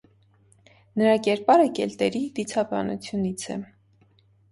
Նրա կերպարը կելտերի դիցաբանությունից է։